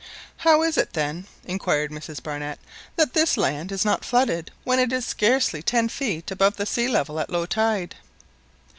"How is it, then," inquired Mrs Barnett, "that this land is not flooded when it is scarcely ten feet above the sea level at low tide?"